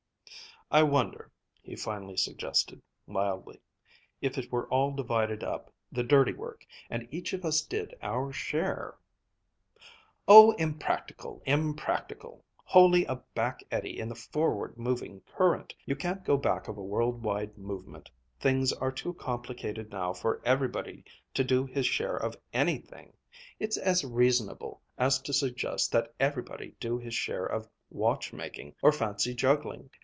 "I wonder," he finally suggested mildly, "if it were all divided up, the dirty work, and each of us did our share " "Oh, impractical! impractical! Wholly a back eddy in the forward moving current. You can't go back of a world wide movement. Things are too complicated now for everybody to do his share of anything. It's as reasonable, as to suggest that everybody do his share of watchmaking, or fancy juggling.